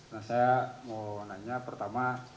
nah saya mau nanya pertama